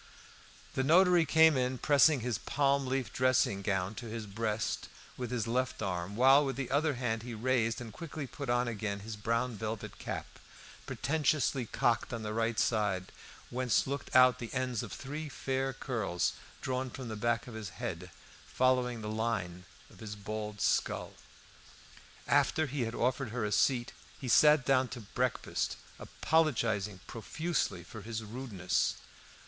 The notary came in pressing his palm leaf dressing gown to his breast with his left arm, while with the other hand he raised and quickly put on again his brown velvet cap, pretentiously cocked on the right side, whence looked out the ends of three fair curls drawn from the back of the head, following the line of his bald skull. After he had offered her a seat he sat down to breakfast, apologising profusely for his rudeness.